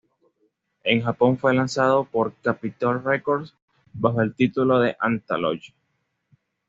En Japón fue lanzado por Capitol Records bajo el título de "Anthology"..